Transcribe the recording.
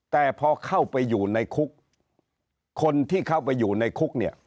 แต่พอเข้าไปอยู่ในคุกคนที่เข้าไปอยู่ในคุกเนี่ย